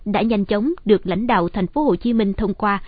đã nhanh chóng được lãnh đạo thành phố hồ chí minh thông qua